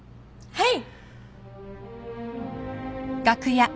はい！